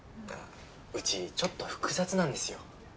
うちちょっと複雑なんですよ。